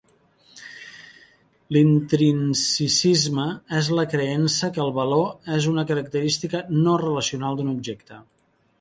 L'intrinsicisme és la creença que el valor és una característica no relacional d'un objecte.